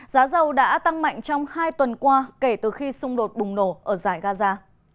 giá dầu đã tăng mạnh trong hai tuần qua kể từ khi xung đột bùng nổ ở giải gaza